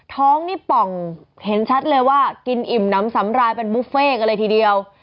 ท้องนี่ป่องเห็นชัดเลยว่ากินอิ่มน้ำสำรายเป็นบุฟเฟ่กันเลยทีเดียว